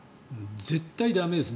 絶対駄目です。